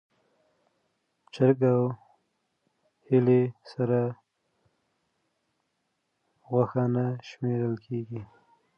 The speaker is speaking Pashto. چرګ او هیلۍ سره غوښه نه شمېرل کېږي.